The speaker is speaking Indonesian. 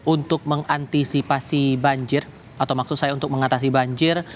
untuk mengantisipasi banjir atau maksud saya untuk mengatasi banjir